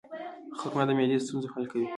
خرما د معدې د ستونزو حل کوي.